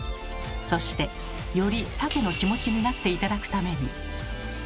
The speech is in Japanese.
そしてよりサケの気持ちになって頂くために。